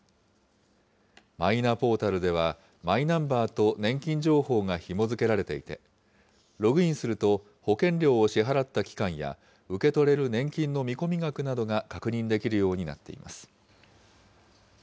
マイナポータルでは、マイナンバーと年金情報がひも付けられていて、ログインすると、保険料を支払った期間や、受け取れる年金の見込み額などが確認できるようになっています。